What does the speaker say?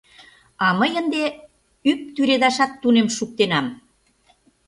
А мый ынде ӱп тӱредашат тунем шуктенам...